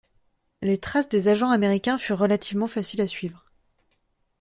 Les traces des agents américains furent relativement faciles à suivre.